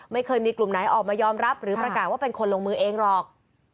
ไม่เคยมีกลุ่มไหนออกมายอมรับหรือประกาศว่าเป็นคนลงมือเองหรอก